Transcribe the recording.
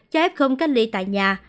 cho f cách ly tại nhà